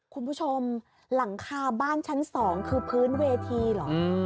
คุณผู้ชมหลังคาบ้านชั้น๒คือพื้นเวทีเหรอ